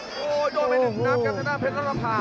โอ้โหโดดไปหนึ่งนับครับเท่านั้นเผ็ดละรับภา